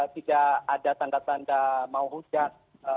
tidak ada tanda tanda mau hujan